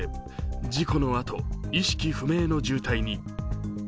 事故のあと、意識不明の重体に。